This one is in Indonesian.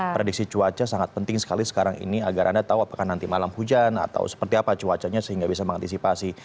prediksi cuaca sangat penting sekali sekarang ini agar anda tahu apakah nanti malam hujan atau seperti apa cuacanya sehingga bisa mengantisipasi